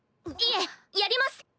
いえやります！